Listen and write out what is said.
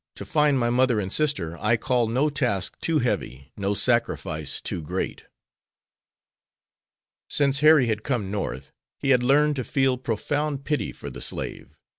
To find my mother and sister I call no task too heavy, no sacrifice too great." Since Harry had come North he had learned to feel profound pity for the slave.